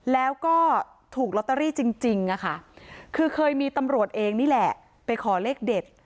แล้วก็ถูกลอตเตอรี่จริงค่ะคือเคยมีตำรวจเองนี่แหละไปขอเลขเด็ด